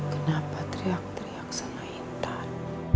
kenapa teriak teriak sama intan